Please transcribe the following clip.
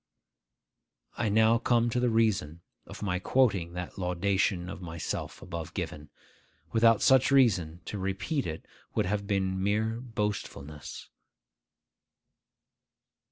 I now come to the reason of my quoting that laudation of myself above given. Without such reason, to repeat it would have been mere boastfulness.